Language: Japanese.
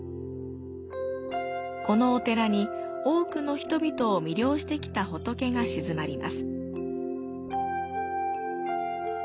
このお寺に多くの人々を魅了してきた仏が鎮まります。